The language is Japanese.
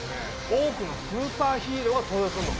多くのスーパーヒーローが登場すんの。